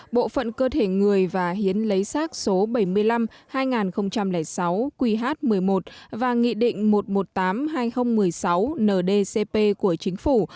bộ phận cơ thể người và hiến lấy sát số bảy mươi năm hai nghìn sáu qh một mươi một và nghị định một trăm một mươi tám hai nghìn một mươi sáu ndcp của chính phủ